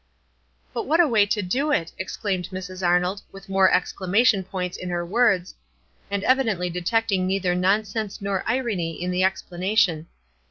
"But what a way to do it !" exclaimed Mrs. Arnold, with more exclamation points in her words, and evidently detecting neither nonsense nor irony in the explanation.